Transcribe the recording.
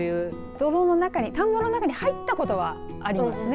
泥の中に、田んぼの中に入ったことはありますね。